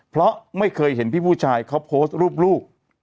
เพราะไม่เคยเห็นพี่ผู้ชายเขาโพสต์รูปลูก